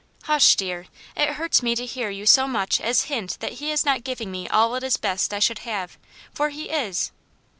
" Hush, dear, it hurts me to hear you so much as hint that He is not giving me all it is best I should ^lave, for He is."